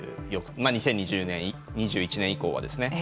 ２０２０年、２１年以降はですね。